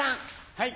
はい。